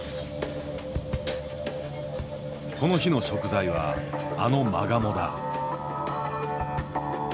この日の食材はあのマガモだ。